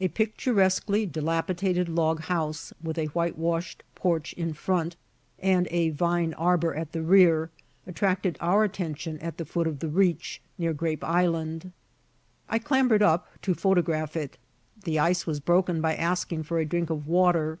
A picturesquely dilapidated log house, with whitewashed porch in front, and a vine arbor at the rear, attracted our attention at the foot of the reach, near Grape Island. I clambered up, to photograph it. The ice was broken by asking for a drink of water.